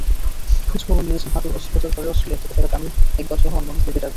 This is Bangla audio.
খোঁজখবর নিয়েছেন হাঁটুর অস্ত্রোপচার করে অস্ট্রেলিয়া থেকে ফেরা তামিম ইকবালসহ অন্য ক্রিকেটারদেরও।